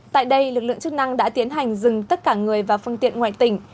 tại đây lực lượng chức năng đã tiến hành dừng tất cả người và phương tiện ngoài tỉnh